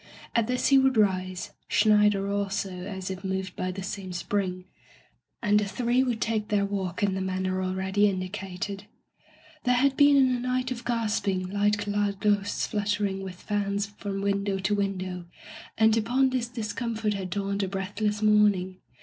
At this he would rise — Schneider also, as if moved by the same spring — ^and the three would take their walk in the manner already indicated. There had been a night of gasping, light clad ghosts fluttering with fans from win dow to window, and upon this discomfort Digitized by LjOOQ IC By the Sawyer Method had dawned a breathless morning.